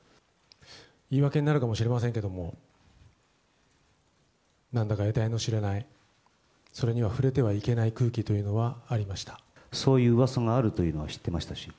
言い訳になるかもしれませんけれども、なんだかえたいの知れない、それには触れてはいけない空気とそういううわさがあるというのは知ってましたし。